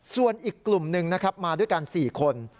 ส่วนอีกกลุ่มหนึ่งนะครับมาด้วยกัน๔คน